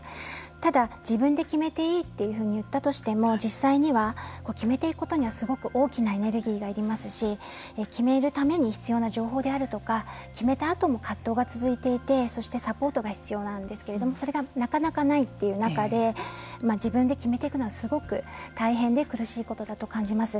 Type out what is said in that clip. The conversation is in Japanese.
ただ、自分で決めていいと言ったとしても実際には決めていくことにはすごく大きなエネルギーが要りますし決めるために必要な情報であるとか決めたあとも葛藤が続いていてそしてサポートが必要なんですけれどもそれがなかなかないという中で自分で決めていくのはすごく大変で苦しいことだと感じます。